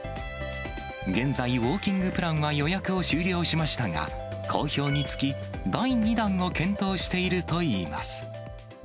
現在、ウォーキングプランは予約を終了しましたが、好評につき、第２弾を検討しているといいます。